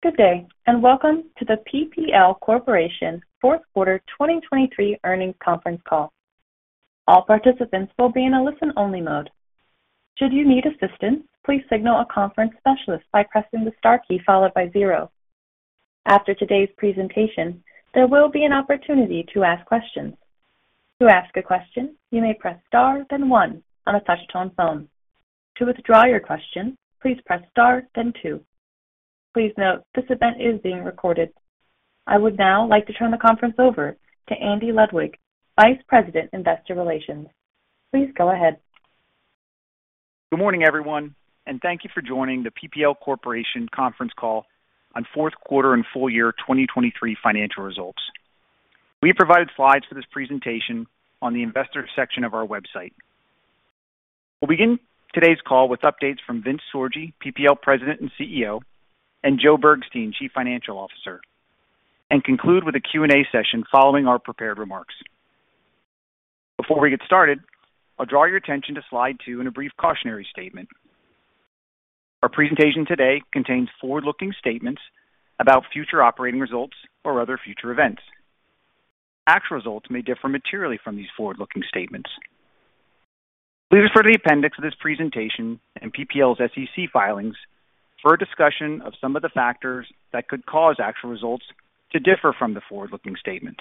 Good day and welcome to the PPL Corporation fourth quarter 2023 earnings conference call. All participants will be in a listen-only mode. Should you need assistance, please signal a conference specialist by pressing the star key followed by zero. After today's presentation, there will be an opportunity to ask questions. To ask a question, you may press star then two on a touch-tone phone. To withdraw your question, please press star then two. Please note, this event is being recorded. I would now like to turn the conference over to Andy Ludwig, Vice President, Investor Relations. Please go ahead. Good morning, everyone, and thank you for joining the PPL Corporation conference call on fourth quarter and full year 2023 financial results. We have provided slides for this presentation on the investor section of our website. We'll begin today's call with updates from Vince Sorgi, PPL President and CEO, and Joe Bergstein, Chief Financial Officer, and conclude with a Q&A session following our prepared remarks. Before we get started, I'll draw your attention to slide 2 and a brief cautionary statement. Our presentation today contains forward-looking statements about future operating results or other future events. Actual results may differ materially from these forward-looking statements. Please refer to the appendix of this presentation and PPL's SEC filings for a discussion of some of the factors that could cause actual results to differ from the forward-looking statements.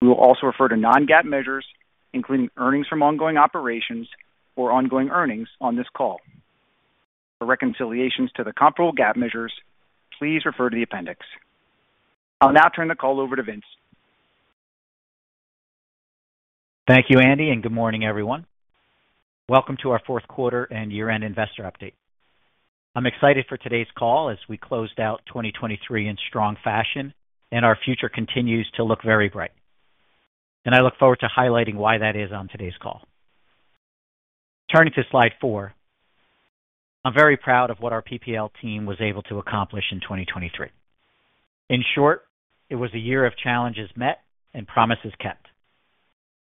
We will also refer to non-GAAP measures, including earnings from ongoing operations or ongoing earnings, on this call. For reconciliations to the comparable GAAP measures, please refer to the appendix. I'll now turn the call over to Vince. Thank you, Andy, and good morning, everyone. Welcome to our fourth quarter and year-end investor update. I'm excited for today's call as we closed out 2023 in strong fashion and our future continues to look very bright, and I look forward to highlighting why that is on today's call. Turning to slide 4, I'm very proud of what our PPL team was able to accomplish in 2023. In short, it was a year of challenges met and promises kept.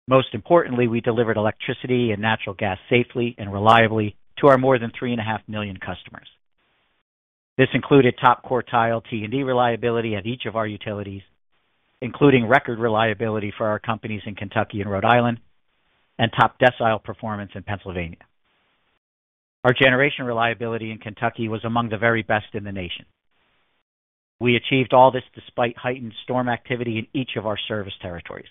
Most importantly, we delivered electricity and natural gas safely and reliably to our more than 3.5 million customers. This included top quartile T&D reliability at each of our utilities, including record reliability for our companies in Kentucky and Rhode Island, and top decile performance in Pennsylvania. Our generation reliability in Kentucky was among the very best in the nation. We achieved all this despite heightened storm activity in each of our service territories.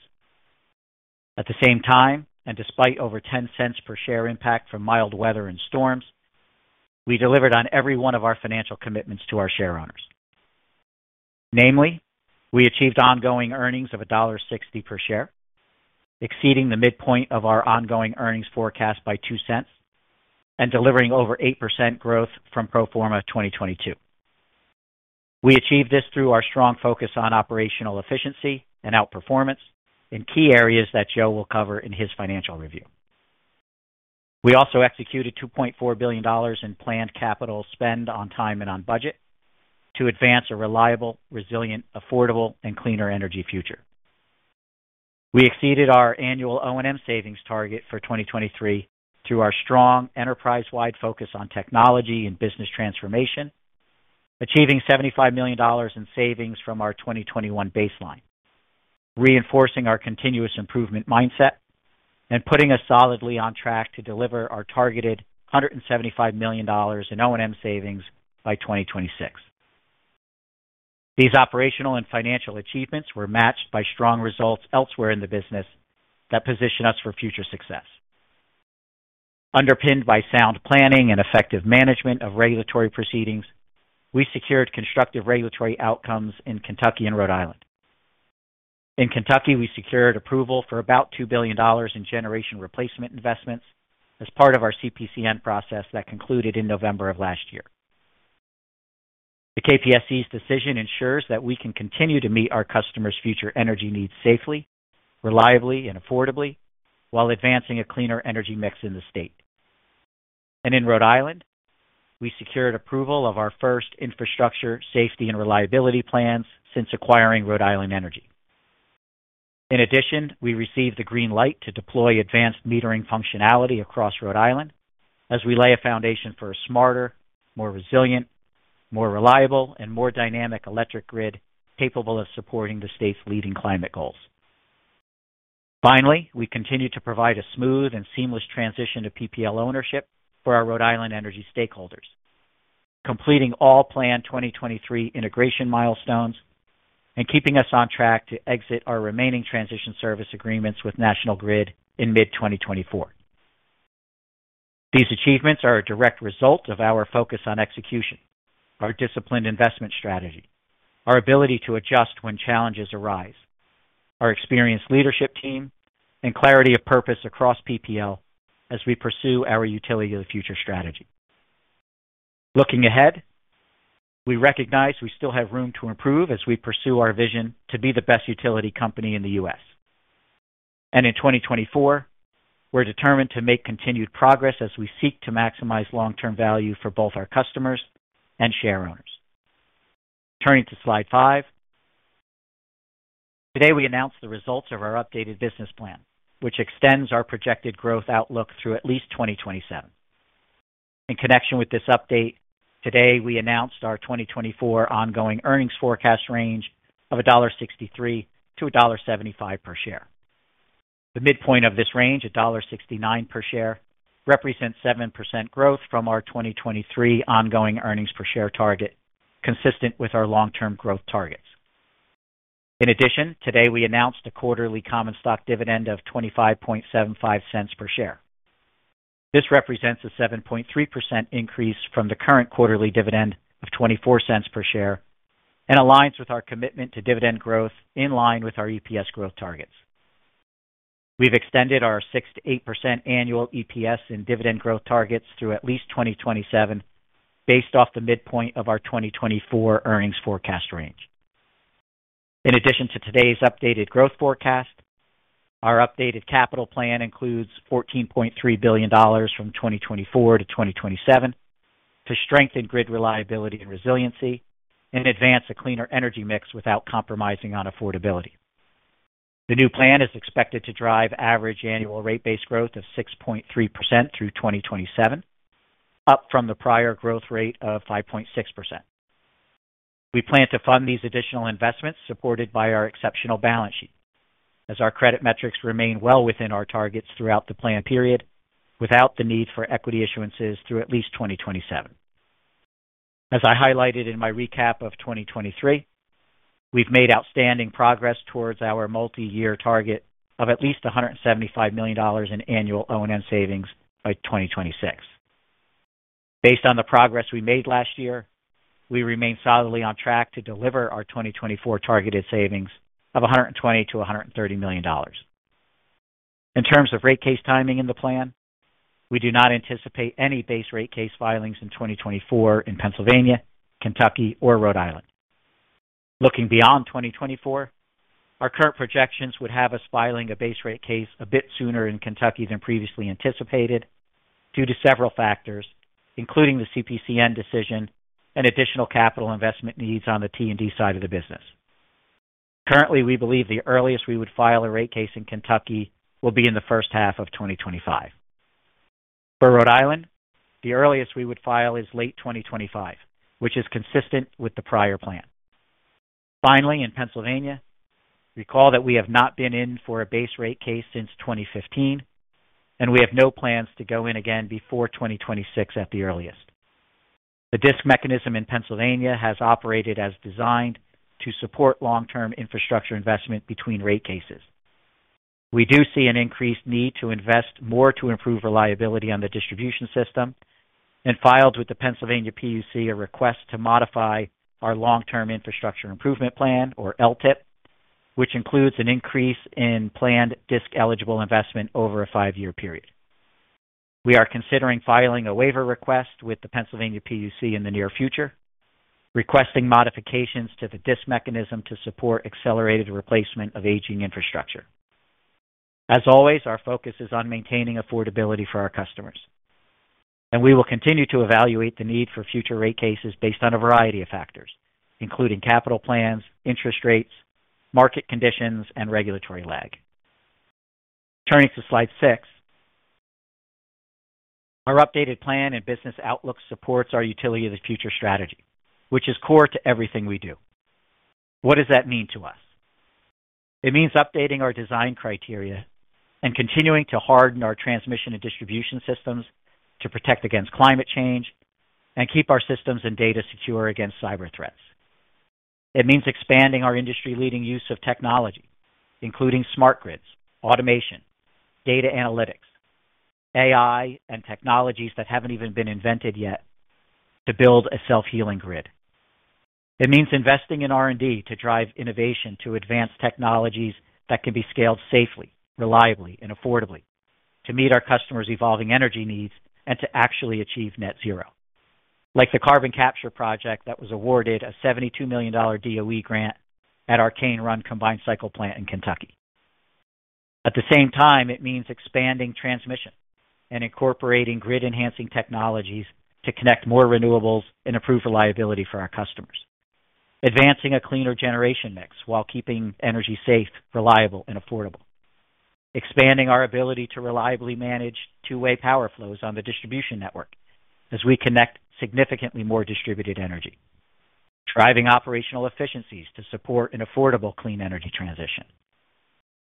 At the same time, and despite over $0.10 per share impact from mild weather and storms, we delivered on every one of our financial commitments to our shareowners. Namely, we achieved ongoing earnings of $1.60 per share, exceeding the midpoint of our ongoing earnings forecast by $0.02, and delivering over 8% growth from pro forma 2022. We achieved this through our strong focus on operational efficiency and outperformance in key areas that Joe will cover in his financial review. We also executed $2.4 billion in planned capital spend on time and on budget to advance a reliable, resilient, affordable, and cleaner energy future. We exceeded our annual O&M savings target for 2023 through our strong enterprise-wide focus on technology and business transformation, achieving $75 million in savings from our 2021 baseline, reinforcing our continuous improvement mindset, and putting us solidly on track to deliver our targeted $175 million in O&M savings by 2026. These operational and financial achievements were matched by strong results elsewhere in the business that position us for future success. Underpinned by sound planning and effective management of regulatory proceedings, we secured constructive regulatory outcomes in Kentucky and Rhode Island. In Kentucky, we secured approval for about $2 billion in generation replacement investments as part of our CPCN process that concluded in November of last year. The KPSC's decision ensures that we can continue to meet our customers' future energy needs safely, reliably, and affordably while advancing a cleaner energy mix in the state. In Rhode Island, we secured approval of our first infrastructure safety and reliability plans since acquiring Rhode Island Energy. In addition, we received the green light to deploy advanced metering functionality across Rhode Island as we lay a foundation for a smarter, more resilient, more reliable, and more dynamic electric grid capable of supporting the state's leading climate goals. Finally, we continue to provide a smooth and seamless transition to PPL ownership for our Rhode Island Energy stakeholders, completing all planned 2023 integration milestones and keeping us on track to exit our remaining transition service agreements with National Grid in mid-2024. These achievements are a direct result of our focus on execution, our disciplined investment strategy, our ability to adjust when challenges arise, our experienced leadership team, and clarity of purpose across PPL as we pursue our utility-of-the-future strategy. Looking ahead, we recognize we still have room to improve as we pursue our vision to be the best utility company in the U.S. In 2024, we're determined to make continued progress as we seek to maximize long-term value for both our customers and shareowners. Turning to slide five, today we announced the results of our updated business plan, which extends our projected growth outlook through at least 2027. In connection with this update, today we announced our 2024 ongoing earnings forecast range of $1.63-$1.75 per share. The midpoint of this range, $1.69 per share, represents 7% growth from our 2023 ongoing earnings per share target, consistent with our long-term growth targets. In addition, today we announced a quarterly common stock dividend of $0.2575 per share. This represents a 7.3% increase from the current quarterly dividend of $0.24 per share and aligns with our commitment to dividend growth in line with our EPS growth targets. We've extended our 6%-8% annual EPS and dividend growth targets through at least 2027 based off the midpoint of our 2024 earnings forecast range. In addition to today's updated growth forecast, our updated capital plan includes $14.3 billion from 2024 to 2027 to strengthen grid reliability and resiliency and advance a cleaner energy mix without compromising on affordability. The new plan is expected to drive average annual rate-based growth of 6.3% through 2027, up from the prior growth rate of 5.6%. We plan to fund these additional investments supported by our exceptional balance sheet as our credit metrics remain well within our targets throughout the plan period without the need for equity issuances through at least 2027. As I highlighted in my recap of 2023, we've made outstanding progress towards our multi-year target of at least $175 million in annual O&M savings by 2026. Based on the progress we made last year, we remain solidly on track to deliver our 2024 targeted savings of $120 million-$130 million. In terms of rate case timing in the plan, we do not anticipate any base rate case filings in 2024 in Pennsylvania, Kentucky, or Rhode Island. Looking beyond 2024, our current projections would have us filing a base rate case a bit sooner in Kentucky than previously anticipated due to several factors, including the CPCN decision and additional capital investment needs on the T&D side of the business. Currently, we believe the earliest we would file a rate case in Kentucky will be in the first half of 2025. For Rhode Island, the earliest we would file is late 2025, which is consistent with the prior plan. Finally, in Pennsylvania, recall that we have not been in for a base rate case since 2015, and we have no plans to go in again before 2026 at the earliest. The DSIC mechanism in Pennsylvania has operated as designed to support long-term infrastructure investment between rate cases. We do see an increased need to invest more to improve reliability on the distribution system and filed with the Pennsylvania PUC a request to modify our long-term infrastructure improvement plan, or LTIP, which includes an increase in planned DSIC eligible investment over a five-year period. We are considering filing a waiver request with the Pennsylvania PUC in the near future, requesting modifications to the DSIC mechanism to support accelerated replacement of aging infrastructure. As always, our focus is on maintaining affordability for our customers, and we will continue to evaluate the need for future rate cases based on a variety of factors, including capital plans, interest rates, market conditions, and regulatory lag. Turning to slide 6, our updated plan and business outlook supports our utility-of-the-future strategy, which is core to everything we do. What does that mean to us? It means updating our design criteria and continuing to harden our transmission and distribution systems to protect against climate change and keep our systems and data secure against cyber threats. It means expanding our industry-leading use of technology, including smart grids, automation, data analytics, AI, and technologies that haven't even been invented yet to build a self-healing grid. It means investing in R&D to drive innovation to advance technologies that can be scaled safely, reliably, and affordably to meet our customers' evolving energy needs and to actually achieve net zero, like the carbon capture project that was awarded a $72 million DOE grant at Cane Run combined cycle plant in Kentucky. At the same time, it means expanding transmission and incorporating grid-enhancing technologies to connect more renewables and improve reliability for our customers, advancing a cleaner generation mix while keeping energy safe, reliable, and affordable, expanding our ability to reliably manage two-way power flows on the distribution network as we connect significantly more distributed energy, driving operational efficiencies to support an affordable clean energy transition,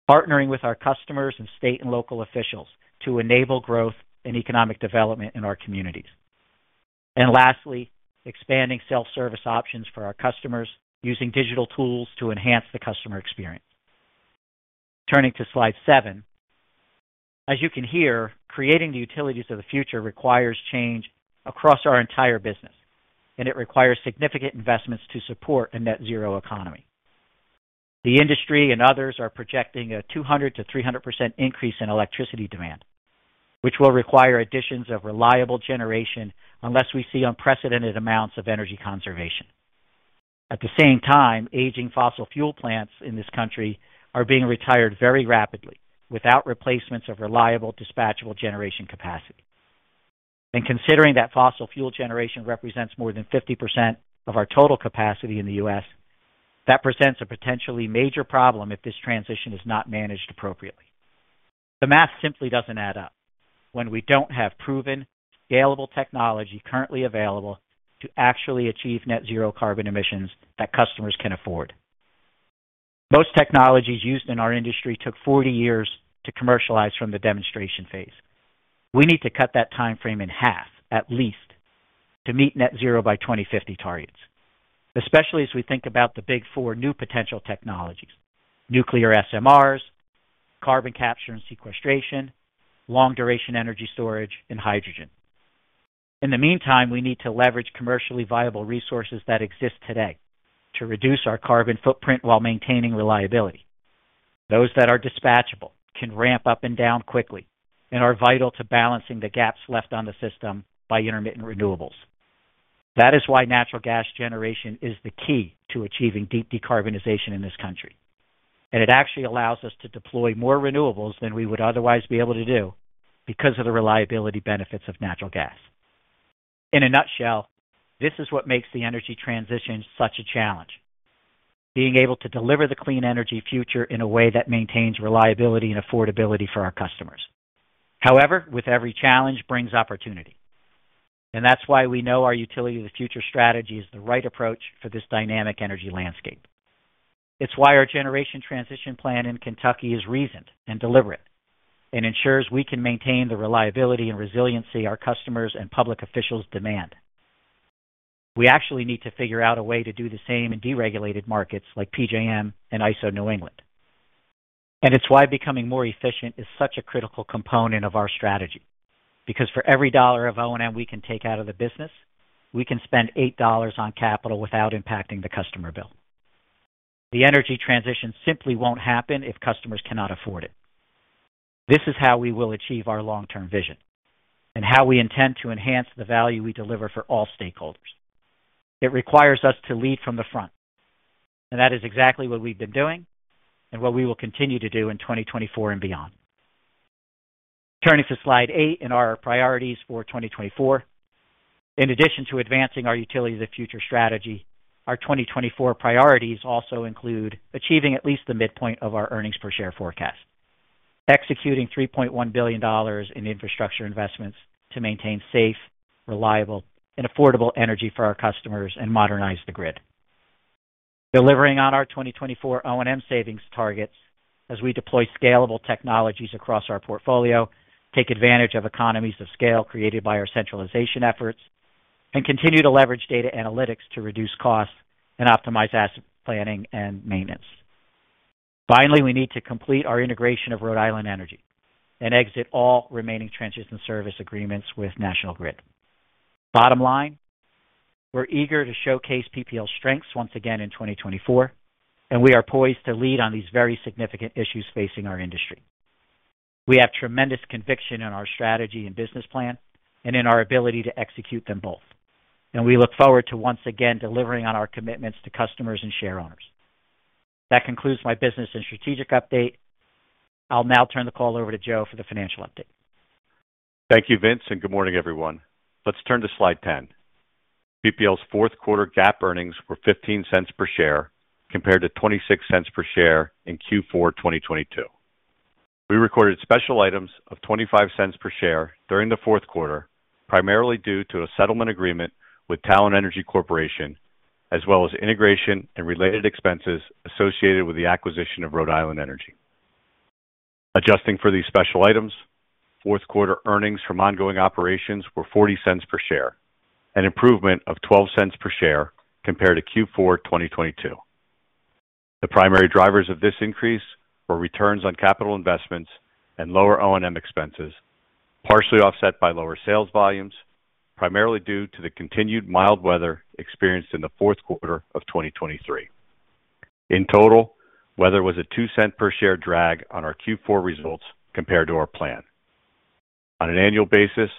partnering with our customers and state and local officials to enable growth and economic development in our communities, and lastly, expanding self-service options for our customers using digital tools to enhance the customer experience. Turning to slide 7, as you can hear, creating the utilities of the future requires change across our entire business, and it requires significant investments to support a net zero economy. The industry and others are projecting a 200%-300% increase in electricity demand, which will require additions of reliable generation unless we see unprecedented amounts of energy conservation. At the same time, aging fossil fuel plants in this country are being retired very rapidly without replacements of reliable dispatchable generation capacity. Considering that fossil fuel generation represents more than 50% of our total capacity in the U.S., that presents a potentially major problem if this transition is not managed appropriately. The math simply doesn't add up when we don't have proven, scalable technology currently available to actually achieve net zero carbon emissions that customers can afford. Most technologies used in our industry took 40 years to commercialize from the demonstration phase. We need to cut that time frame in half, at least, to meet net zero by 2050 targets, especially as we think about the Big Four new potential technologies: nuclear SMRs, carbon capture and sequestration, long-duration energy storage, and hydrogen. In the meantime, we need to leverage commercially viable resources that exist today to reduce our carbon footprint while maintaining reliability. Those that are dispatchable can ramp up and down quickly and are vital to balancing the gaps left on the system by intermittent renewables. That is why natural gas generation is the key to achieving deep decarbonization in this country, and it actually allows us to deploy more renewables than we would otherwise be able to do because of the reliability benefits of natural gas. In a nutshell, this is what makes the energy transition such a challenge: being able to deliver the clean energy future in a way that maintains reliability and affordability for our customers. However, with every challenge brings opportunity, and that's why we know our utility-of-the-future strategy is the right approach for this dynamic energy landscape. It's why our generation transition plan in Kentucky is reasoned and deliberate and ensures we can maintain the reliability and resiliency our customers and public officials demand. We actually need to figure out a way to do the same in deregulated markets like PJM and ISO New England. It's why becoming more efficient is such a critical component of our strategy because for every dollar of O&M we can take out of the business, we can spend $8 on capital without impacting the customer bill. The energy transition simply won't happen if customers cannot afford it. This is how we will achieve our long-term vision and how we intend to enhance the value we deliver for all stakeholders. It requires us to lead from the front, and that is exactly what we've been doing and what we will continue to do in 2024 and beyond. Turning to Slide 8 in our priorities for 2024, in addition to advancing our Utilities of the Future strategy, our 2024 priorities also include achieving at least the midpoint of our earnings per share forecast, executing $3.1 billion in infrastructure investments to maintain safe, reliable, and affordable energy for our customers, and modernize the grid, delivering on our 2024 O&M savings targets as we deploy scalable technologies across our portfolio, take advantage of economies of scale created by our centralization efforts, and continue to leverage data analytics to reduce costs and optimize asset planning and maintenance. Finally, we need to complete our integration of Rhode Island Energy and exit all remaining transition service agreements with National Grid. Bottom line, we're eager to showcase PPL's strengths once again in 2024, and we are poised to lead on these very significant issues facing our industry. We have tremendous conviction in our strategy and business plan and in our ability to execute them both, and we look forward to once again delivering on our commitments to customers and shareowners. That concludes my business and strategic update. I'll now turn the call over to Joe for the financial update. Thank you, Vince, and good morning, everyone. Let's turn to slide 10. PPL's fourth-quarter GAAP earnings were $0.15 per share compared to $0.26 per share in Q4 2022. We recorded special items of $0.25 per share during the fourth quarter, primarily due to a settlement agreement with Talen Energy Corporation as well as integration and related expenses associated with the acquisition of Rhode Island Energy. Adjusting for these special items, fourth-quarter earnings from ongoing operations were $0.40 per share, an improvement of $0.12 per share compared to Q4 2022. The primary drivers of this increase were returns on capital investments and lower O&M expenses, partially offset by lower sales volumes, primarily due to the continued mild weather experienced in the fourth quarter of 2023. In total, weather was a $0.02-per-share drag on our Q4 results compared to our plan. On an annual basis,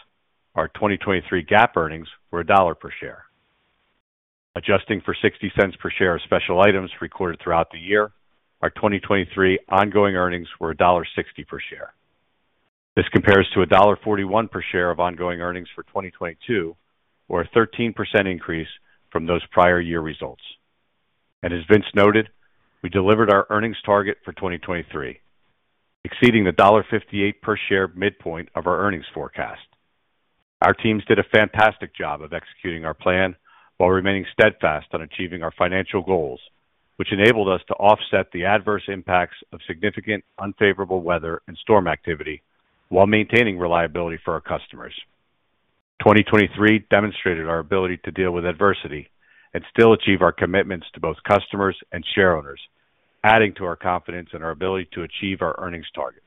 our 2023 GAAP earnings were $1 per share. Adjusting for $0.60 per share of special items recorded throughout the year, our 2023 ongoing earnings were $1.60 per share. This compares to $1.41 per share of ongoing earnings for 2022, or a 13% increase from those prior-year results. As Vince noted, we delivered our earnings target for 2023, exceeding the $1.58 per share midpoint of our earnings forecast. Our teams did a fantastic job of executing our plan while remaining steadfast on achieving our financial goals, which enabled us to offset the adverse impacts of significant, unfavorable weather and storm activity while maintaining reliability for our customers. 2023 demonstrated our ability to deal with adversity and still achieve our commitments to both customers and shareowners, adding to our confidence in our ability to achieve our earnings targets.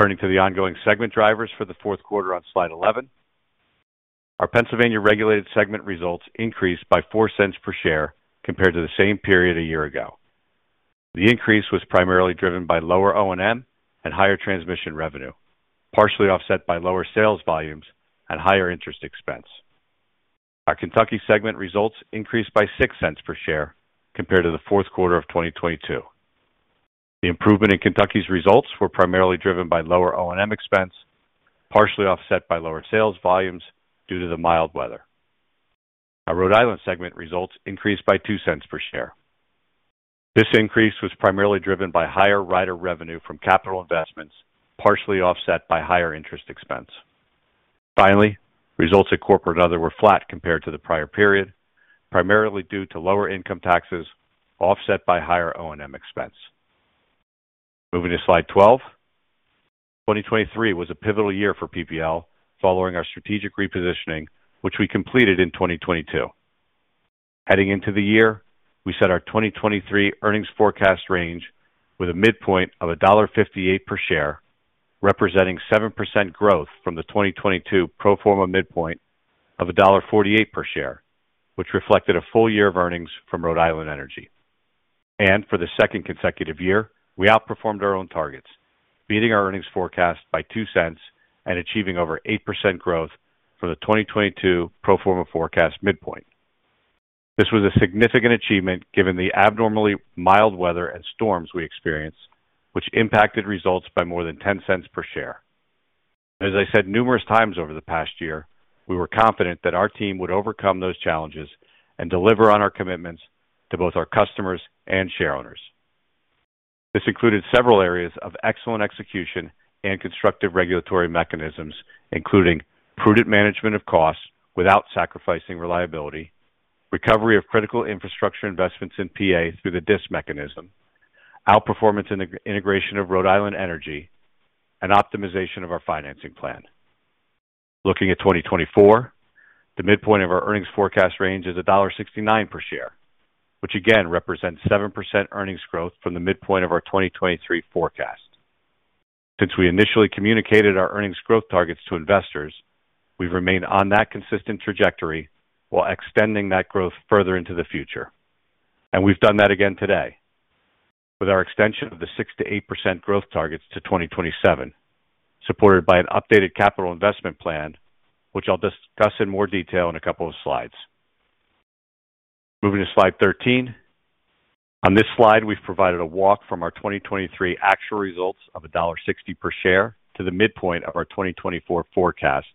Turning to the ongoing segment drivers for the fourth quarter on slide 11, our Pennsylvania-regulated segment results increased by $0.04 per share compared to the same period a year ago. The increase was primarily driven by lower O&M and higher transmission revenue, partially offset by lower sales volumes and higher interest expense. Our Kentucky segment results increased by $0.06 per share compared to the fourth quarter of 2022. The improvement in Kentucky's results was primarily driven by lower O&M expense, partially offset by lower sales volumes due to the mild weather. Our Rhode Island segment results increased by $0.02 per share. This increase was primarily driven by higher rider revenue from capital investments, partially offset by higher interest expense. Finally, results at corporate and other were flat compared to the prior period, primarily due to lower income taxes offset by higher O&M expense. Moving to slide 12, 2023 was a pivotal year for PPL following our strategic repositioning, which we completed in 2022. Heading into the year, we set our 2023 earnings forecast range with a midpoint of $1.58 per share, representing 7% growth from the 2022 pro forma midpoint of $1.48 per share, which reflected a full year of earnings from Rhode Island Energy. For the second consecutive year, we outperformed our own targets, beating our earnings forecast by $0.02 and achieving over 8% growth from the 2022 pro forma forecast midpoint. This was a significant achievement given the abnormally mild weather and storms we experienced, which impacted results by more than $0.10 per share. As I said numerous times over the past year, we were confident that our team would overcome those challenges and deliver on our commitments to both our customers and shareowners. This included several areas of excellent execution and constructive regulatory mechanisms, including prudent management of costs without sacrificing reliability, recovery of critical infrastructure investments in PA through the DSIC mechanism, outperformance in the integration of Rhode Island Energy, and optimization of our financing plan. Looking at 2024, the midpoint of our earnings forecast range is $1.69 per share, which again represents 7% earnings growth from the midpoint of our 2023 forecast. Since we initially communicated our earnings growth targets to investors, we've remained on that consistent trajectory while extending that growth further into the future, and we've done that again today with our extension of the 6%-8% growth targets to 2027, supported by an updated capital investment plan, which I'll discuss in more detail in a couple of slides. Moving to slide 13, on this slide, we've provided a walk from our 2023 actual results of $1.60 per share to the midpoint of our 2024 forecast,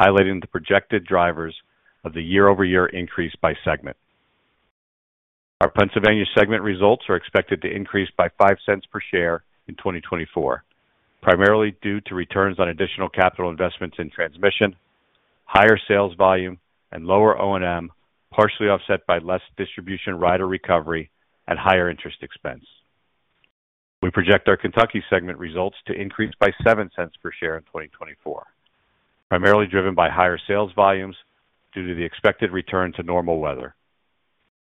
highlighting the projected drivers of the year-over-year increase by segment. Our Pennsylvania segment results are expected to increase by $0.05 per share in 2024, primarily due to returns on additional capital investments in transmission, higher sales volume, and lower O&M, partially offset by less distribution rider recovery and higher interest expense. We project our Kentucky segment results to increase by $0.07 per share in 2024, primarily driven by higher sales volumes due to the expected return to normal weather.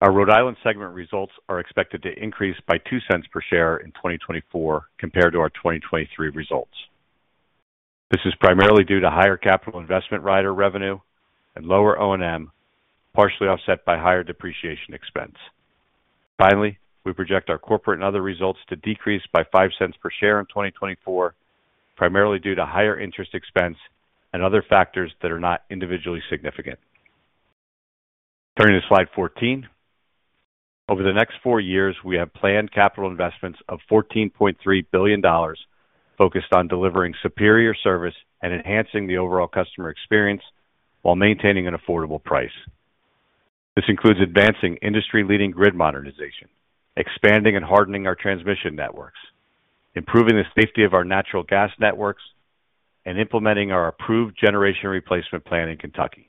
Our Rhode Island segment results are expected to increase by $0.02 per share in 2024 compared to our 2023 results. This is primarily due to higher capital investment rider revenue and lower O&M, partially offset by higher depreciation expense. Finally, we project our corporate and other results to decrease by $0.05 per share in 2024, primarily due to higher interest expense and other factors that are not individually significant. Turning to slide 14, over the next four years, we have planned capital investments of $14.3 billion focused on delivering superior service and enhancing the overall customer experience while maintaining an affordable price. This includes advancing industry-leading grid modernization, expanding and hardening our transmission networks, improving the safety of our natural gas networks, and implementing our approved generation replacement plan in Kentucky.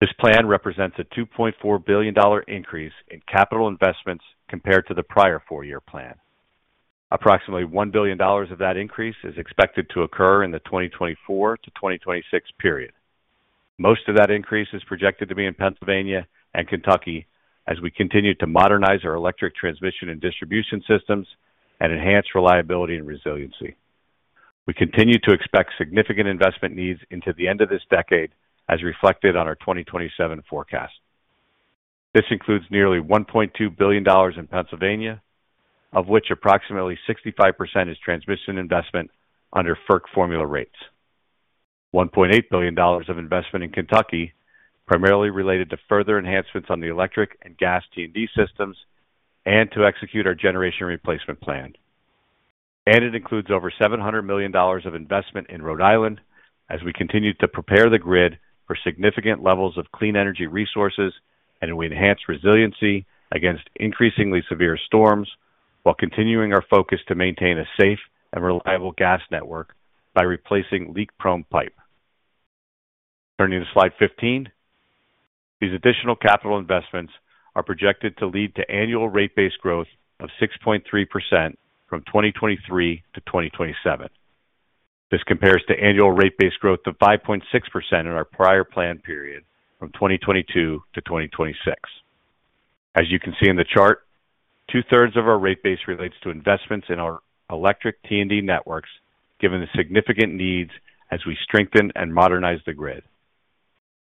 This plan represents a $2.4 billion increase in capital investments compared to the prior four-year plan. Approximately $1 billion of that increase is expected to occur in the 2024 to 2026 period. Most of that increase is projected to be in Pennsylvania and Kentucky as we continue to modernize our electric transmission and distribution systems and enhance reliability and resiliency. We continue to expect significant investment needs into the end of this decade as reflected on our 2027 forecast. This includes nearly $1.2 billion in Pennsylvania, of which approximately 65% is transmission investment under FERC formula rates, $1.8 billion of investment in Kentucky primarily related to further enhancements on the electric and gas T&D systems and to execute our generation replacement plan, and it includes over $700 million of investment in Rhode Island as we continue to prepare the grid for significant levels of clean energy resources and we enhance resiliency against increasingly severe storms while continuing our focus to maintain a safe and reliable gas network by replacing leak-prone pipe. Turning to slide 15, these additional capital investments are projected to lead to annual rate-based growth of 6.3% from 2023 to 2027. This compares to annual rate-based growth of 5.6% in our prior plan period from 2022 to 2026. As you can see in the chart, 2/3 of our rate base relates to investments in our electric T&D networks given the significant needs as we strengthen and modernize the grid.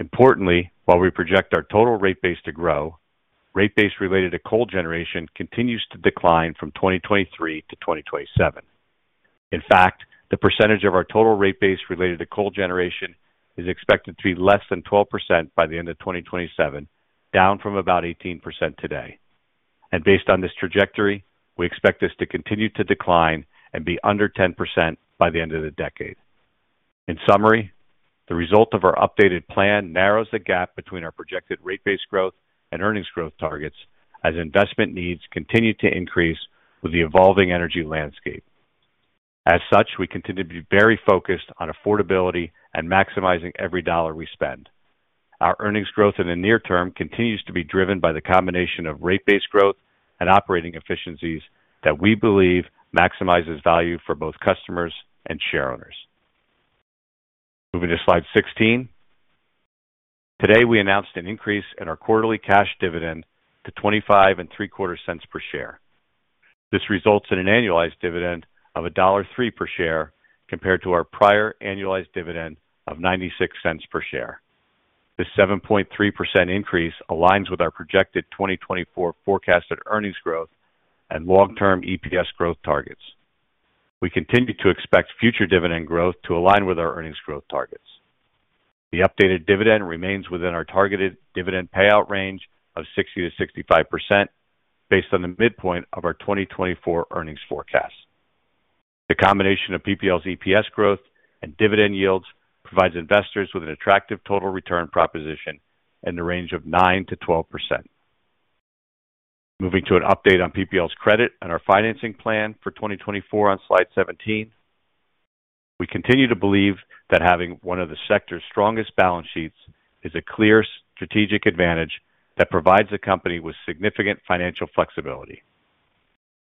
Importantly, while we project our total rate base to grow, rate base related to coal generation continues to decline from 2023 to 2027. In fact, the percentage of our total rate base related to coal generation is expected to be less than 12% by the end of 2027, down from about 18% today. Based on this trajectory, we expect this to continue to decline and be under 10% by the end of the decade. In summary, the result of our updated plan narrows the gap between our projected rate base growth and earnings growth targets as investment needs continue to increase with the evolving energy landscape. As such, we continue to be very focused on affordability and maximizing every dollar we spend. Our earnings growth in the near term continues to be driven by the combination of rate base growth and operating efficiencies that we believe maximizes value for both customers and shareowners. Moving to slide 16, today we announced an increase in our quarterly cash dividend to $0.2575 per share. This results in an annualized dividend of $1.03 per share compared to our prior annualized dividend of $0.96 per share. This 7.3% increase aligns with our projected 2024 forecasted earnings growth and long-term EPS growth targets. We continue to expect future dividend growth to align with our earnings growth targets. The updated dividend remains within our targeted dividend payout range of 60%-65% based on the midpoint of our 2024 earnings forecast. The combination of PPL's EPS growth and dividend yields provides investors with an attractive total return proposition in the range of 9%-12%. Moving to an update on PPL's credit and our financing plan for 2024 on slide 17, we continue to believe that having one of the sector's strongest balance sheets is a clear strategic advantage that provides the company with significant financial flexibility.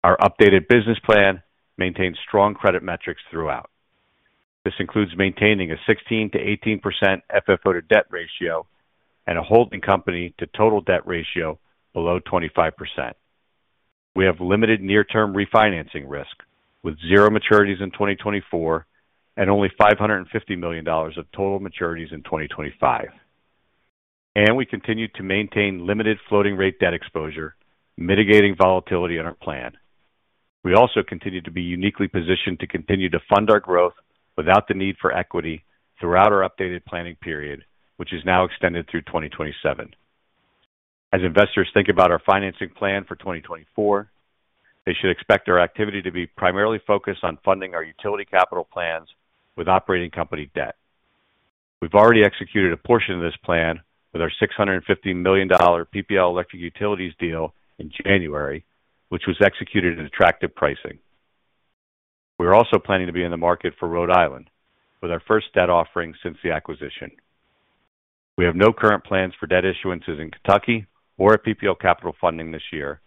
Our updated business plan maintains strong credit metrics throughout. This includes maintaining a 16%-18% FFO-to-debt ratio and a holding company-to-total debt ratio below 25%. We have limited near-term refinancing risk with zero maturities in 2024 and only $550 million of total maturities in 2025, and we continue to maintain limited floating-rate debt exposure, mitigating volatility in our plan. We also continue to be uniquely positioned to continue to fund our growth without the need for equity throughout our updated planning period, which is now extended through 2027. As investors think about our financing plan for 2024, they should expect our activity to be primarily focused on funding our utility capital plans with operating company debt. We've already executed a portion of this plan with our $650 million PPL Electric Utilities deal in January, which was executed at attractive pricing. We are also planning to be in the market for Rhode Island with our first debt offering since the acquisition. We have no current plans for debt issuances in Kentucky or at PPL Capital Funding this year,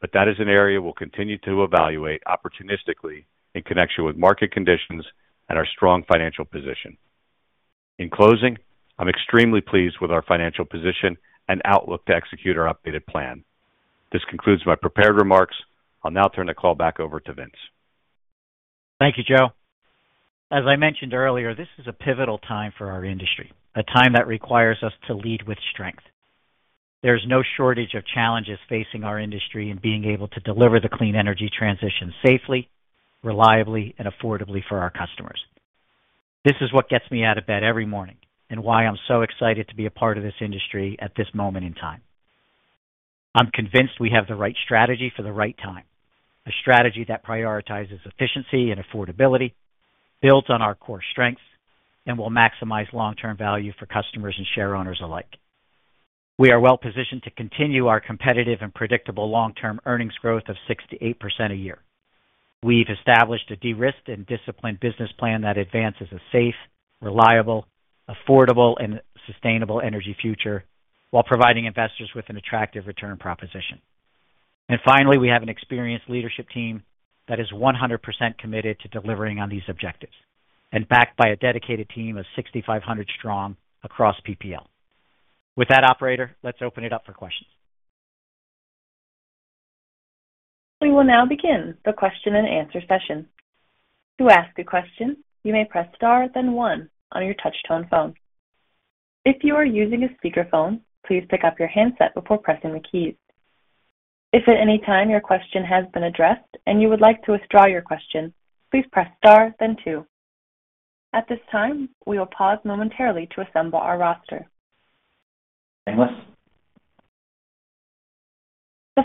but that is an area we'll continue to evaluate opportunistically in connection with market conditions and our strong financial position. In closing, I'm extremely pleased with our financial position and outlook to execute our updated plan. This concludes my prepared remarks. I'll now turn the call back over to Vince. Thank you, Joe. As I mentioned earlier, this is a pivotal time for our industry, a time that requires us to lead with strength. There is no shortage of challenges facing our industry in being able to deliver the clean energy transition safely, reliably, and affordably for our customers. This is what gets me out of bed every morning and why I'm so excited to be a part of this industry at this moment in time. I'm convinced we have the right strategy for the right time, a strategy that prioritizes efficiency and affordability, built on our core strengths, and will maximize long-term value for customers and shareowners alike. We are well positioned to continue our competitive and predictable long-term earnings growth of 6%-8% a year. We've established a de-risked and disciplined business plan that advances a safe, reliable, affordable, and sustainable energy future while providing investors with an attractive return proposition. Finally, we have an experienced leadership team that is 100% committed to delivering on these objectives and backed by a dedicated team of 6,500 strong across PPL. With that, operator, let's open it up for questions. We will now begin the question and answer session. To ask a question, you may press star, then one, on your touch-tone phone. If you are using a speakerphone, please pick up your handset before pressing the keys. If at any time your question has been addressed and you would like to withdraw your question, please press star, then two. At this time, we will pause momentarily to assemble our roster. The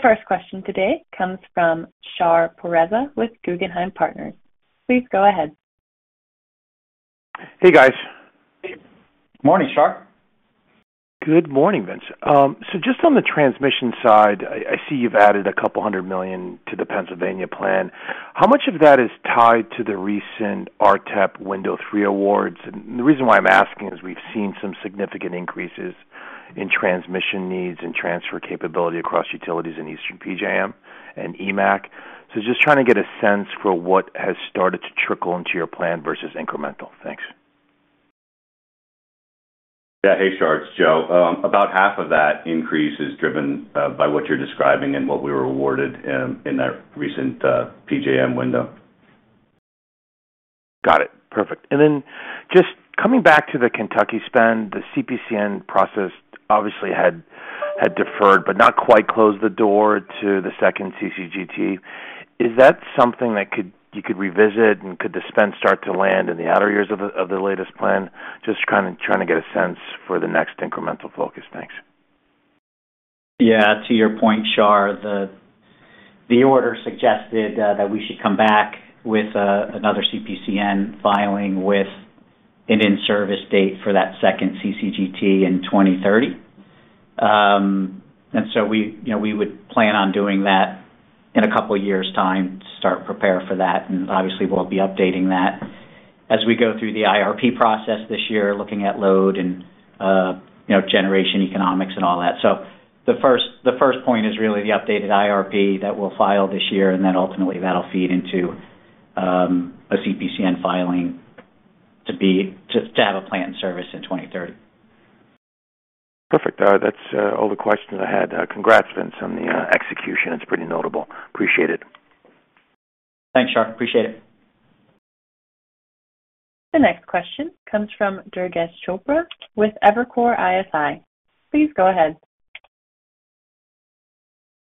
first question today comes from Shar Pourreza with Guggenheim Partners. Please go ahead. Hey, guys. Good morning, Shar. Good morning, Vince. So just on the transmission side, I see you've added $200 million to the Pennsylvania plan. How much of that is tied to the recent RTEP Window 3 awards? And the reason why I'm asking is we've seen some significant increases in transmission needs and transfer capability across utilities in Eastern PJM and EMAAC So just trying to get a sense for what has started to trickle into your plan versus incremental. Thanks. Yeah. Hey, Shar. It's Joe. About half of that increase is driven by what you're describing and what we were awarded in that recent PJM window. Got it. Perfect. And then just coming back to the Kentucky spend, the CPCN process obviously had deferred but not quite closed the door to the second CCGT. Is that something that you could revisit, and could the spend start to land in the outer years of the latest plan? Just trying to get a sense for the next incremental focus. Thanks. Yeah. To your point, Shar, the order suggested that we should come back with another CPCN filing with an in-service date for that second CCGT in 2030. And so we would plan on doing that in a couple of years' time to start preparing for that. Obviously, we'll be updating that as we go through the IRP process this year, looking at load and generation economics and all that. So the first point is really the updated IRP that we'll file this year, and then ultimately, that'll feed into a CPCN filing to have a plant in service in 2030. Perfect. That's all the questions I had. Congrats, Vince, on the execution. It's pretty notable. Appreciate it. Thanks, Shar. Appreciate it. The next question comes from Durgesh Chopra with Evercore ISI. Please go ahead.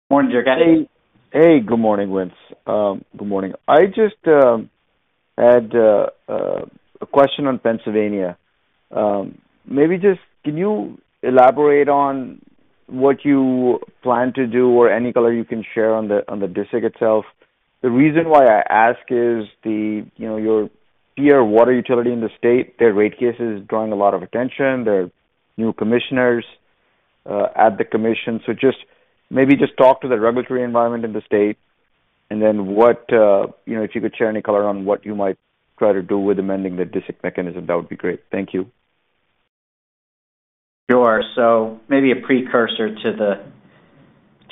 Morning, Durgesh. Hey. Hey. Good morning, Vince. Good morning. I just had a question on Pennsylvania. Can you elaborate on what you plan to do or any color you can share on the docket itself? The reason why I ask is your peer water utility in the state, their rate case is drawing a lot of attention. They're new commissioners at the commission. So maybe just talk to the regulatory environment in the state and then if you could share any color on what you might try to do with amending the DSIC mechanism, that would be great. Thank you. Sure. So maybe a precursor to the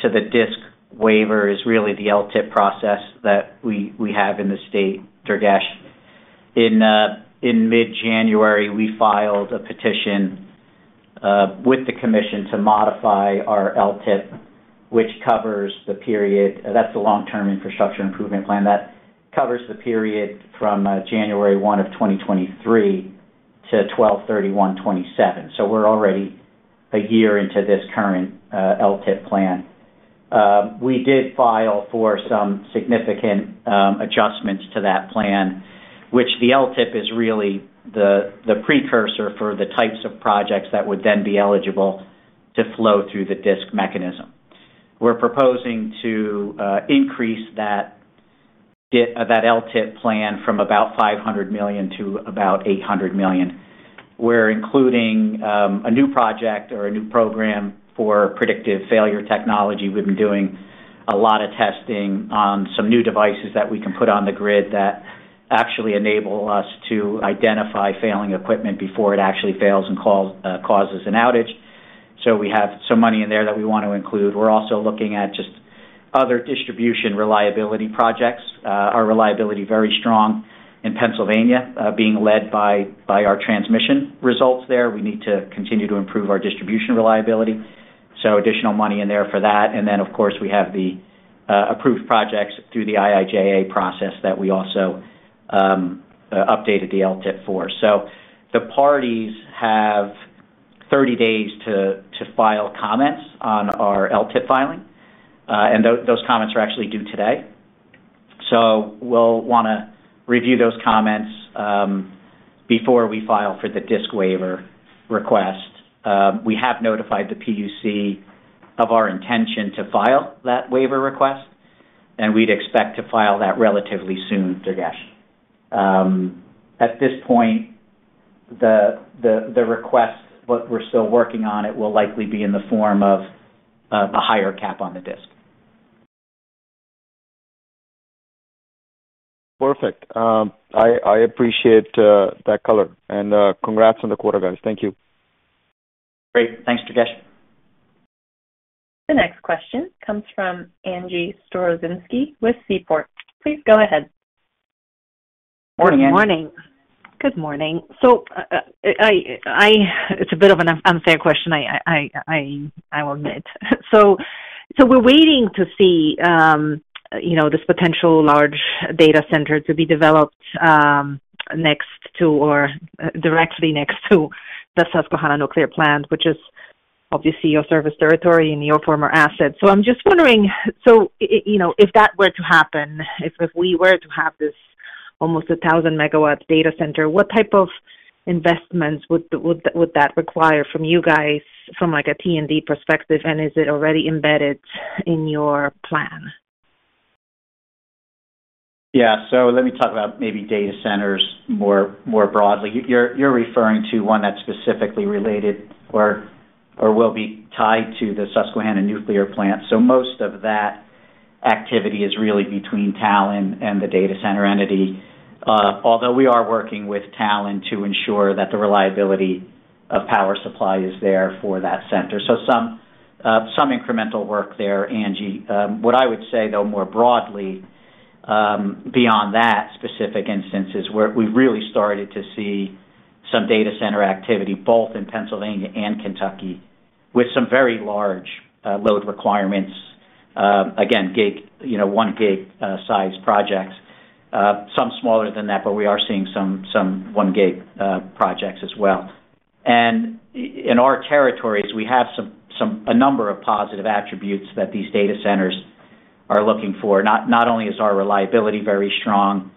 DSIC waiver is really the LTIP process that we have in the state, Durgesh. In mid-January, we filed a petition with the commission to modify our LTIP, which covers the period that's the long-term infrastructure improvement plan. That covers the period from January 1 of 2023 to December 31 2027. So we're already a year into this current LTIP plan. We did file for some significant adjustments to that plan, which the LTIP is really the precursor for the types of projects that would then be eligible to flow through the DSIC mechanism. We're proposing to increase that LTIP plan from about $500 million to about $800 million. We're including a new project or a new program for predictive failure technology. We've been doing a lot of testing on some new devices that we can put on the grid that actually enable us to identify failing equipment before it actually fails and causes an outage. So we have some money in there that we want to include. We're also looking at just other distribution reliability projects. Our reliability is very strong in Pennsylvania, being led by our transmission results there. We need to continue to improve our distribution reliability. So additional money in there for that. And then, of course, we have the approved projects through the IIJA process that we also updated the LTIP for. So the parties have 30 days to file comments on our LTIP filing, and those comments are actually due today. So we'll want to review those comments before we file for the DSIC waiver request. We have notified the PUC of our intention to file that waiver request, and we'd expect to file that relatively soon, Durgesh. At this point, what we're still working on, it will likely be in the form of a higher cap on the DSIC. Perfect. I appreciate that color. And congrats on the quarter, guys. Thank you. Great. Thanks, Durgesh. The next question comes from Angie Storozynski with Seaport. Please go ahead. Morning, Angie. Good morning. Good morning. So it's a bit of an unfair question. I will admit. So we're waiting to see this potential large data center to be developed next to or directly next to the Susquehanna Nuclear Plant, which is obviously your service territory and your former asset. So I'm just wondering, so if that were to happen, if we were to have this almost 1,000-MW data center, what type of investments would that require from you guys from a T&D perspective? And is it already embedded in your plan? Yeah. So let me talk about maybe data centers more broadly. You're referring to one that's specifically related or will be tied to the Susquehanna Nuclear Plant. So most of that activity is really between Talen and the data center entity, although we are working with Talen to ensure that the reliability of power supply is there for that center. So some incremental work there, Angie. What I would say, though, more broadly beyond that specific instance is we've really started to see some data center activity both in Pennsylvania and Kentucky with some very large load requirements, again, 1-GW-size projects, some smaller than that, but we are seeing some 1-GW projects as well. In our territories, we have a number of positive attributes that these data centers are looking for. Not only is our reliability very strong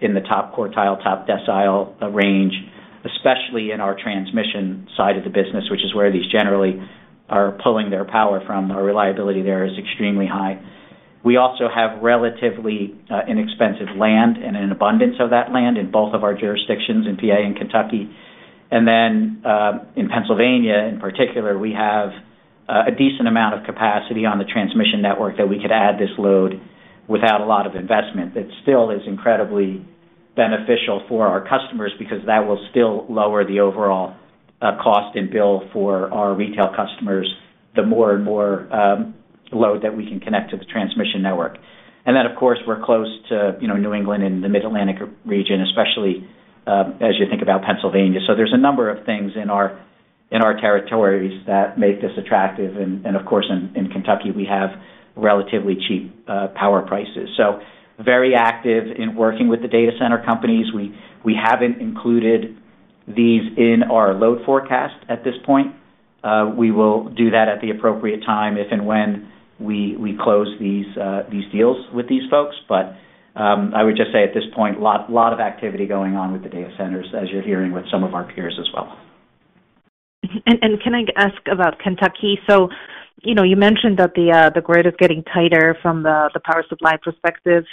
in the top quartile, top decile range, especially in our transmission side of the business, which is where these generally are pulling their power from, our reliability there is extremely high. We also have relatively inexpensive land and an abundance of that land in both of our jurisdictions, in PA and Kentucky. And then in Pennsylvania, in particular, we have a decent amount of capacity on the transmission network that we could add this load without a lot of investment that still is incredibly beneficial for our customers because that will still lower the overall cost and bill for our retail customers the more and more load that we can connect to the transmission network. And then, of course, we're close to New England and the Mid-Atlantic region, especially as you think about Pennsylvania. So there's a number of things in our territories that make this attractive. And of course, in Kentucky, we have relatively cheap power prices. So very active in working with the data center companies. We haven't included these in our load forecast at this point. We will do that at the appropriate time, if and when we close these deals with these folks. But I would just say at this point, a lot of activity going on with the data centers, as you're hearing with some of our peers as well. And can I ask about Kentucky? So you mentioned that the grid is getting tighter from the power supply perspective.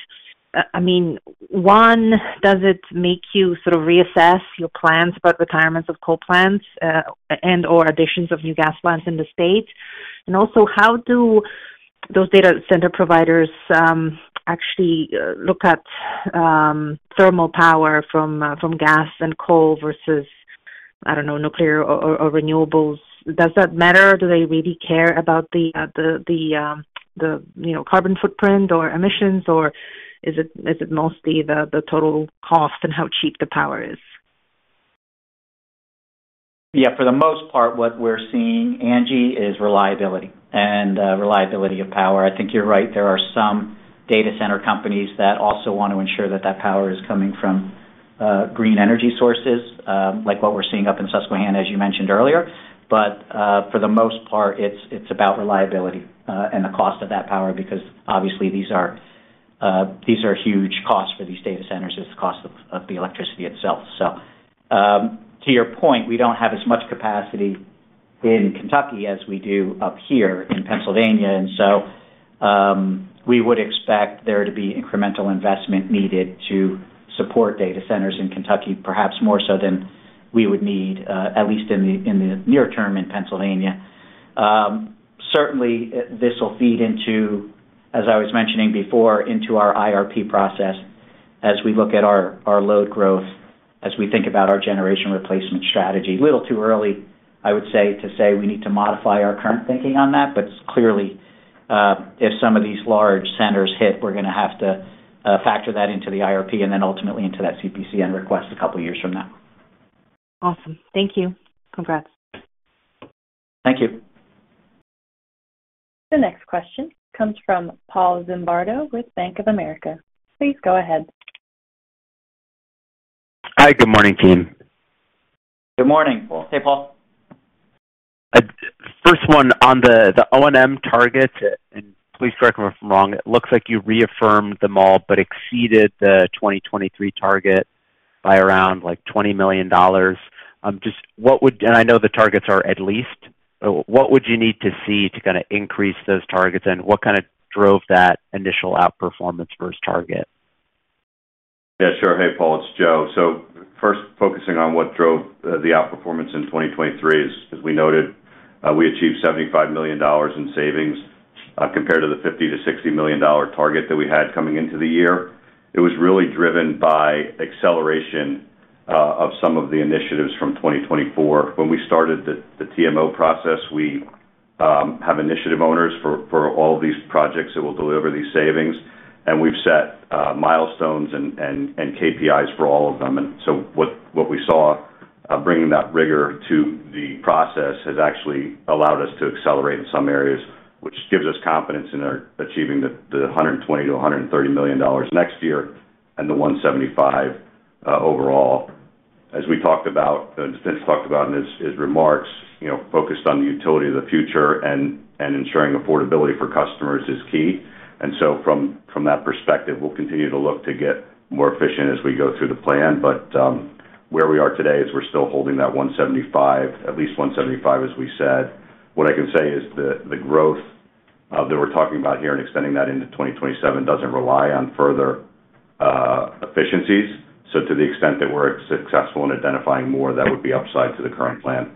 I mean, one, does it make you sort of reassess your plans about retirements of coal plants and/or additions of new gas plants in the state? And also, how do those data center providers actually look at thermal power from gas and coal versus, I don't know, nuclear or renewables? Does that matter? Do they really care about the carbon footprint or emissions, or is it mostly the total cost and how cheap the power is? Yeah. For the most part, what we're seeing, Angie, is reliability and reliability of power. I think you're right. There are some data center companies that also want to ensure that that power is coming from green energy sources like what we're seeing up in Susquehanna, as you mentioned earlier. But for the most part, it's about reliability and the cost of that power because obviously, these are huge costs for these data centers, is the cost of the electricity itself. So to your point, we don't have as much capacity in Kentucky as we do up here in Pennsylvania. And so we would expect there to be incremental investment needed to support data centers in Kentucky, perhaps more so than we would need, at least in the near term, in Pennsylvania. Certainly, this will feed into, as I was mentioning before, into our IRP process as we look at our load growth, as we think about our generation replacement strategy. A little too early, I would say, to say we need to modify our current thinking on that. But clearly, if some of these large centers hit, we're going to have to factor that into the IRP and then ultimately into that CPCN request a couple of years from now. Awesome. Thank you. Congrats. Thank you. The next question comes from Paul Zimbardo with Bank of America. Please go ahead. Hi. Good morning, team. Good morning, Paul. Hey, Paul. First one, on the O&M targets—and please correct me if I'm wrong—it looks like you reaffirmed them all but exceeded the 2023 target by around $20 million. And I know the targets are at least. What would you need to see to kind of increase those targets, and what kind of drove that initial outperformance versus target? Yeah. Sure. Hey, Paul. It's Joe. So first, focusing on what drove the outperformance in 2023. As we noted, we achieved $75 million in savings compared to the $50 million-$60 million target that we had coming into the year. It was really driven by acceleration of some of the initiatives from 2024. When we started the TMO process, we have initiative owners for all of these projects that will deliver these savings. And we've set milestones and KPIs for all of them. And so what we saw, bringing that rigor to the process, has actually allowed us to accelerate in some areas, which gives us confidence in achieving the $120 million-$130 million next year and the $175 million overall. As we talked about and Vince talked about in his remarks, focused on the utility of the future and ensuring affordability for customers is key. And so from that perspective, we'll continue to look to get more efficient as we go through the plan. But where we are today is we're still holding that $175 million, at least $175 million, as we said. What I can say is the growth that we're talking about here and extending that into 2027 doesn't rely on further efficiencies. So to the extent that we're successful in identifying more, that would be upside to the current plan.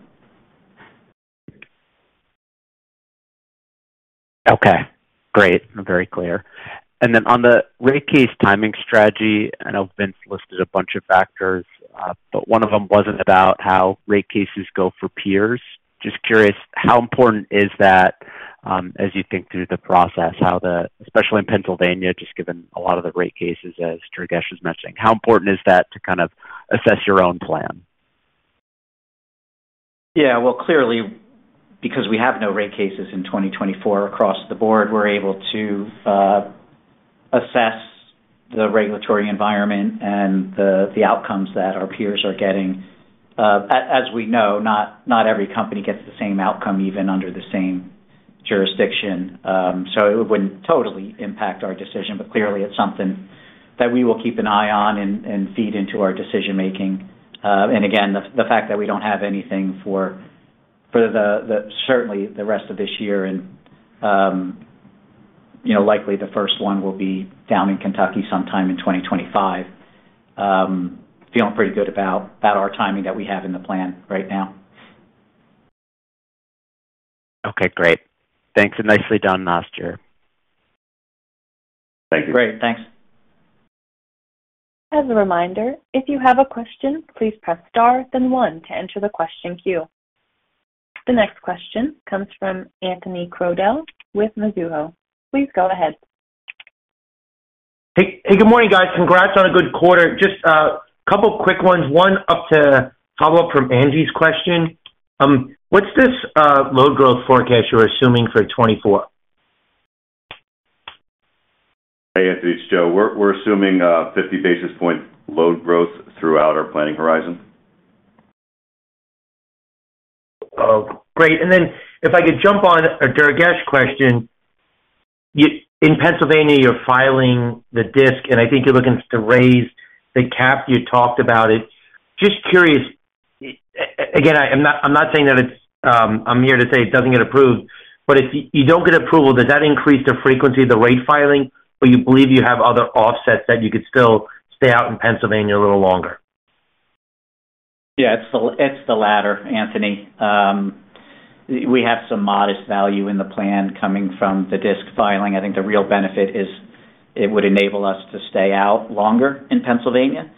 Okay. Great. Very clear. And then on the rate case timing strategy, I know Vince listed a bunch of factors, but one of them wasn't about how rate cases go for peers. Just curious, how important is that as you think through the process, especially in Pennsylvania, just given a lot of the rate cases, as Durgesh was mentioning? How important is that to kind of assess your own plan? Yeah. Well, clearly, because we have no rate cases in 2024 across the board, we're able to assess the regulatory environment and the outcomes that our peers are getting. As we know, not every company gets the same outcome even under the same jurisdiction. So it wouldn't totally impact our decision. But clearly, it's something that we will keep an eye on and feed into our decision-making. And again, the fact that we don't have anything for certainly the rest of this year, and likely the first one will be down in Kentucky sometime in 2025, feeling pretty good about our timing that we have in the plan right now. Okay. Great. Thanks. And nicely done, last year. Thank you. Great. Thanks. As a reminder, if you have a question, please press star, then one, to enter the question queue. The next question comes from Anthony Crowdell with Mizuho. Please go ahead. Hey. Good morning, guys. Congrats on a good quarter. Just a couple of quick ones, one up to follow up from Angie's question. What's this load growth forecast you're assuming for 2024? Hey, Anthony. It's Joe. We're assuming 50 basis points load growth throughout our planning horizon. Great. And then if I could jump on a Durgesh question, in Pennsylvania, you're filing the DSIC, and I think you're looking to raise the cap. You talked about it. Just curious, again, I'm not saying that it's I'm here to say it doesn't get approved. But if you don't get approval, does that increase the frequency of the rate filing, or you believe you have other offsets that you could still stay out in Pennsylvania a little longer? Yeah. It's the latter, Anthony. We have some modest value in the plan coming from the DSIC filing. I think the real benefit is it would enable us to stay out longer in Pennsylvania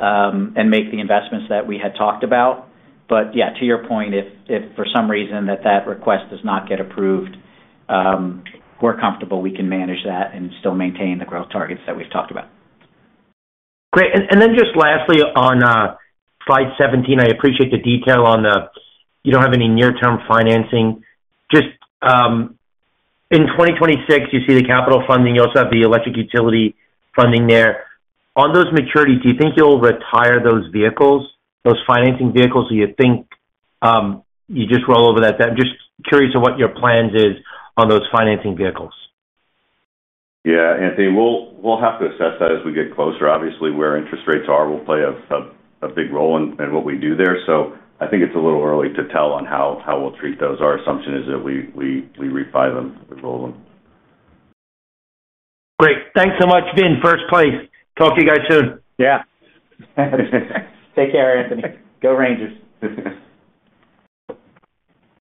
and make the investments that we had talked about. But yeah, to your point, if for some reason that request does not get approved, we're comfortable. We can manage that and still maintain the growth targets that we've talked about. Great. And then just lastly, on slide 17, I appreciate the detail on the you don't have any near-term financing. Just in 2026, you see the capital funding. You also have the electric utility funding there. On those maturities, do you think you'll retire those financing vehicles that you think you just roll over that debt? I'm just curious of what your plans are on those financing vehicles. Yeah, Anthony. We'll have to assess that as we get closer. Obviously, where interest rates are, will play a big role in what we do there. So I think it's a little early to tell on how we'll treat those. Our assumption is that we refi them, we roll them. Great. Thanks so much, Vince, first place. Talk to you guys soon. Yeah. Take care, Anthony. Go Rangers. The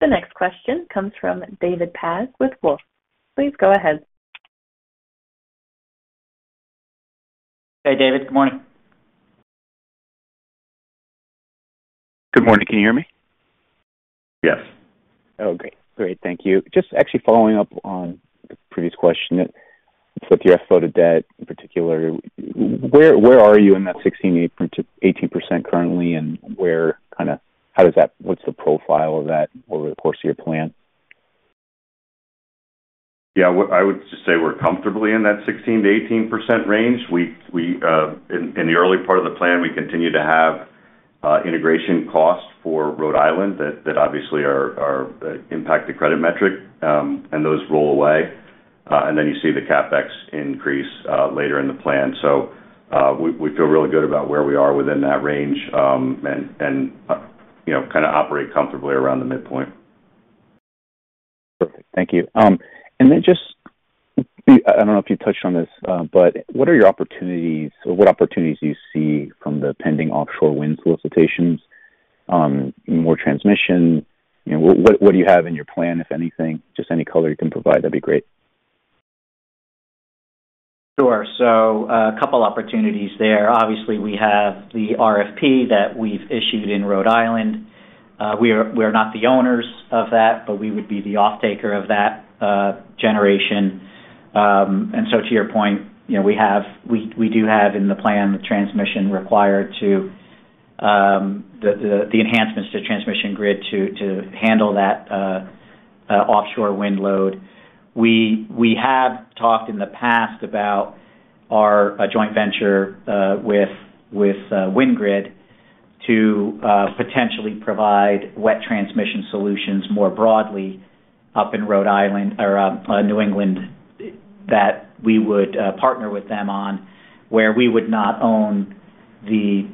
next question comes from David Paz with Wolfe. Please go ahead. Hey, David. Good morning. Good morning. Can you hear me? Yes. Oh, great. Great. Thank you. Just actually following up on the previous question with your FFO-to-debt in particular, where are you in that 16%-18% currently, and kind of how does that what's the profile of that over the course of your plan? Yeah. I would just say we're comfortably in that 16%-18% range. In the early part of the plan, we continue to have integration costs for Rhode Island that obviously impact the credit metric, and those roll away. And then you see the CapEx increase later in the plan. So we feel really good about where we are within that range and kind of operate comfortably around the midpoint. Perfect. Thank you. And then just I don't know if you touched on this, but what are your opportunities or what opportunities do you see from the pending offshore wind solicitations? More transmission? What do you have in your plan, if anything? Just any color you can provide, that'd be great. Sure. So a couple of opportunities there. Obviously, we have the RFP that we've issued in Rhode Island. We are not the owners of that, but we would be the offtaker of that generation. To your point, we do have in the plan the transmission required to the enhancements to transmission grid to handle that offshore wind load. We have talked in the past about our joint venture with WindGrid to potentially provide wet transmission solutions more broadly up in Rhode Island or New England that we would partner with them on, where we would not own the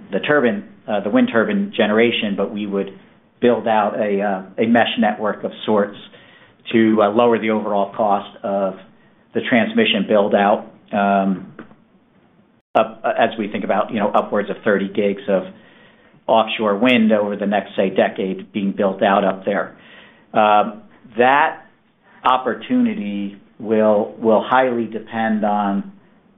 wind turbine generation, but we would build out a mesh network of sorts to lower the overall cost of the transmission buildout as we think about upwards of 30 GW of offshore wind over the next, say, decade being built out up there. That opportunity will highly depend on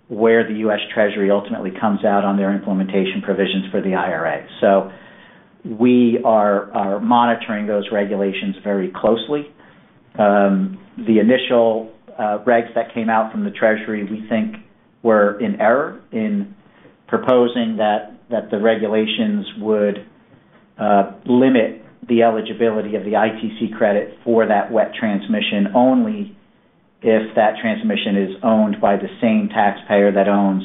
where the U.S. Treasury ultimately comes out on their implementation provisions for the IRA. We are monitoring those regulations very closely. The initial regs that came out from the Treasury, we think, were in error in proposing that the regulations would limit the eligibility of the ITC credit for that wet transmission only if that transmission is owned by the same taxpayer that owns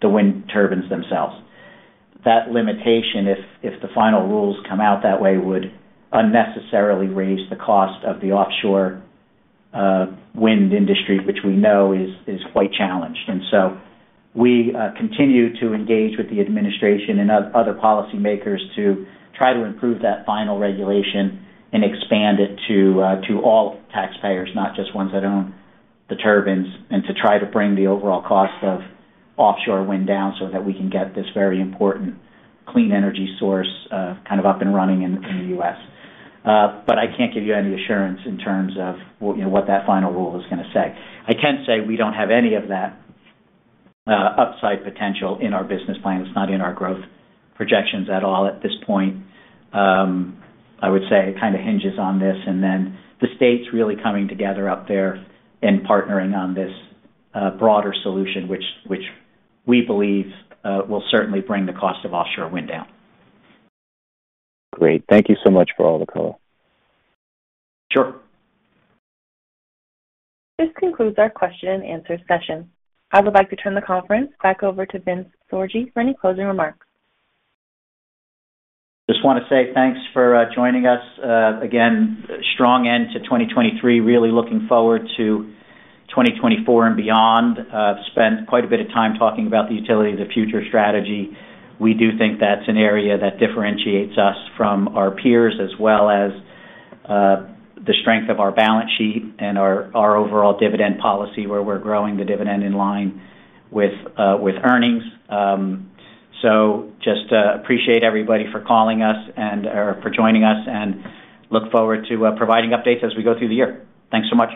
the wind turbines themselves. That limitation, if the final rules come out that way, would unnecessarily raise the cost of the offshore wind industry, which we know is quite challenged. And so we continue to engage with the administration and other policymakers to try to improve that final regulation and expand it to all taxpayers, not just ones that own the turbines, and to try to bring the overall cost of offshore wind down so that we can get this very important clean energy source kind of up and running in the U.S. But I can't give you any assurance in terms of what that final rule is going to say. I can say we don't have any of that upside potential in our business plan. It's not in our growth projections at all at this point, I would say. It kind of hinges on this. And then the states really coming together up there and partnering on this broader solution, which we believe will certainly bring the cost of offshore wind down. Great. Thank you so much for all the color. Sure. This concludes our question-and-answer session. I would like to turn the conference back over to Vincent Sorgi for any closing remarks. Just want to say thanks for joining us. Again, strong end to 2023. Really looking forward to 2024 and beyond. Spent quite a bit of time talking about the utility of the future strategy. We do think that's an area that differentiates us from our peers as well as the strength of our balance sheet and our overall dividend policy, where we're growing the dividend in line with earnings. So just appreciate everybody for calling us and for joining us, and look forward to providing updates as we go through the year. Thanks so much.